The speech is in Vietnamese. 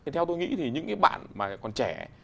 theo tôi nghĩ thì những bạn còn trẻ